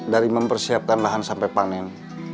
dari mempersiapkan lahan sampai panen